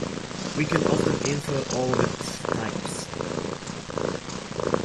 we can often infer all of its types